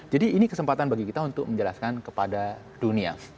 jadi ini kesempatan bagi kita untuk menjelaskan kepada dunia